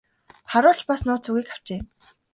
Харуул ч бас нууц үгийг авчээ.